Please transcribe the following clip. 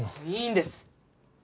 いいんです。